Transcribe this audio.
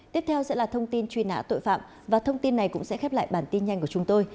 tiếp theo sẽ là thông tin truy nã tội phạm và thông tin này cũng sẽ khép lại bản tin nhanh của chúng tôi